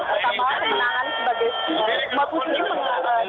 pertama kemenangan sebagai muslim